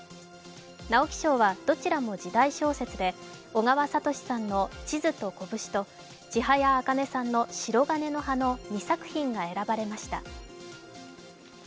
直木賞はどちらも時代小説で、小川哲さんの「地図と拳」と千早茜さんの「しろがねの葉」の２作品が選ばれました。